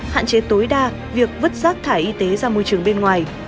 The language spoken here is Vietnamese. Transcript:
hạn chế tối đa việc vứt rác thải y tế ra môi trường bên ngoài